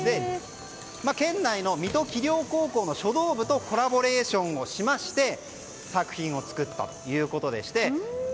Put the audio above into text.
県内の水戸葵陵高校の書道部とコラボレーションしまして作品を作ったということでして。